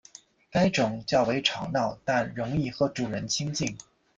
该种较为吵闹但很容易和主人亲近。